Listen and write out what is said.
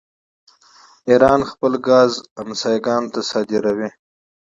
ایران خپل ګاز ګاونډیانو ته صادروي.